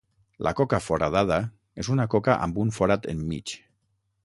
La coca foradada és una coca amb un forat enmig.